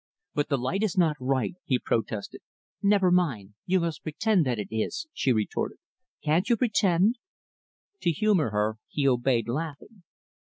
"But the light is not right," he protested. "Never mind, you must pretend that it is," she retorted. "Can't you pretend?" To humor her, he obeyed, laughing.